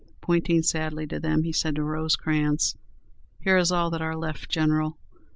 Pointing sadly to them, he said to Rosecrans, "Here is all that are left, General.